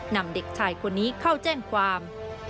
นำเด็กชายคนนี้เข้าแจ้งความ